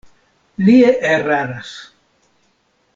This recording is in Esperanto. Li eraras.